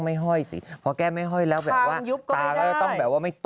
ที่พี่ม้าไปแป๊บเดียวอย่างน่ะ